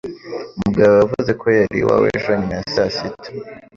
Mugabo yavuze ko yari iwawe ejo nyuma ya saa sita.